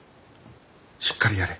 しっかりやれ。